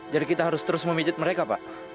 jadi kita harus terus memijut mereka pak